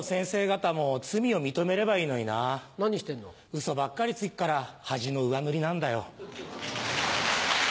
ウソばっかりつくから恥の上塗りなんだよ。